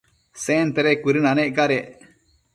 Sentede cuëdënanec cadec